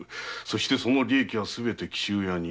その利益はすべて紀州屋に。